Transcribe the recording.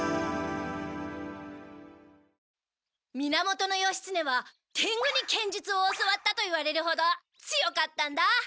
源義経は天狗に剣術を教わったといわれるほど強かったんだ。